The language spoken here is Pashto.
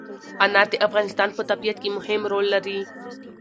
انار د افغانستان په طبیعت کې مهم رول لري.